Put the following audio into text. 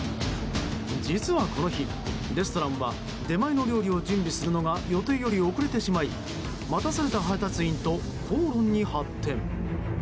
実はこの日、レストランは出前の料理を準備をするのが予定より遅れてしまい待たされた配達員と口論に発展。